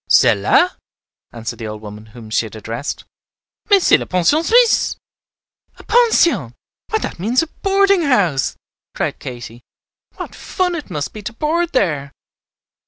"Celle là?" answered the old woman whom she had addressed. "Mais c'est la Pension Suisse." "A pension; why, that means a boarding house," cried Katy. "What fun it must be to board there!"